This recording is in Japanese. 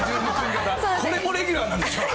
これもレギュラーなんでしょ？